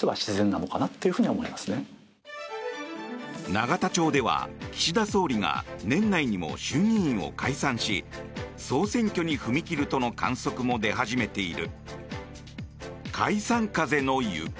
永田町では岸田総理が年内にも衆議院を解散し総選挙に踏み切るとの観測も出始めている。